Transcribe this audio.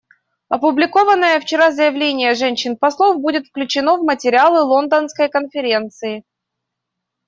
Опубликованное вчера заявление женщин-послов будет включено в материалы Лондонской конференции.